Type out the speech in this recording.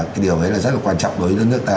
cái điều đấy là rất là quan trọng đối với đất nước ta